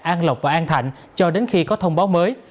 an lộc và an thạnh cho đến khi có thông báo mới